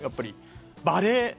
バレー。